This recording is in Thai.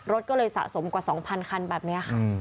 รถก็เลยสะสมกว่า๒๐๐คันแบบนี้ค่ะ